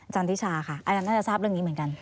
ทิชาค่ะอาจารย์น่าจะทราบเรื่องนี้เหมือนกัน